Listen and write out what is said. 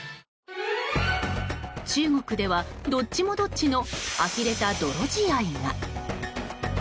中国では、どっちもどっちのあきれた泥仕合が。